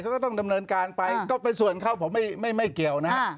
เขาก็ต้องดำเนินการไปก็เป็นส่วนเขาผมไม่เกี่ยวนะฮะ